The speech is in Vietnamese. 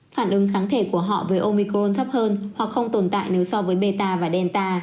phản ứng kháng thể của họ với omicron thấp hơn hoặc không tồn tại nếu so với meta và delta